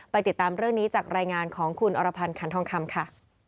ติดตามเรื่องนี้จากรายงานของคุณอรพันธ์ขันทองคำค่ะ